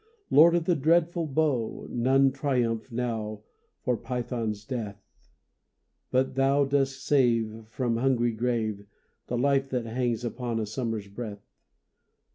Lord of the dreadful bow, None triumph now for Python's death; But thou dost save From hungry grave The life that hangs upon a summer breath.